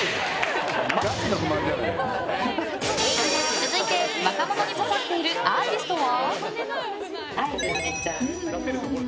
続いて、若者に刺さっているアーティストは？